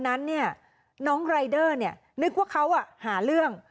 นั้นน้องรายเดอร์นึกว่าเขาหาเรื่อง